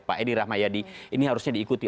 pak edi rahmayadi ini harusnya diikuti